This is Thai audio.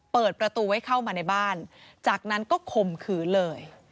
เปิดประตูไว้เข้ามาในบ้านจากนั้นก็ข่มขืนเลย